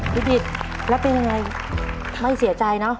พี่ดิดแล้วไปยังไงไม่เสียใจนะ